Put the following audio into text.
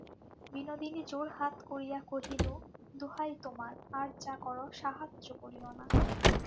বিনোদিনী জোড়হাত করিয়া কহিল, দোহাই তোমার, আর যা কর সাহায্য করিয়ো না।